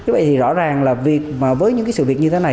vậy thì rõ ràng là việc với những sự việc như thế này